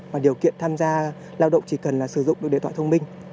và điều kiện tham gia lao động chỉ cần sử dụng được điện thoại thông minh